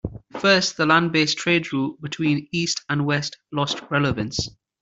First, the land based trade route between east and west lost relevance.